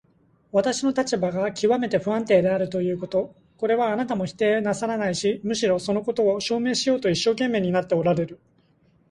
私の立場がきわめて不安定であるということ、これはあなたも否定なさらないし、むしろそのことを証明しようと一生懸命になっておられる。